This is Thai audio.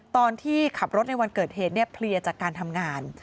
ตอนที่ขับรถในวันเกิดเหตุเนี่ยเพลียจากการทำงาน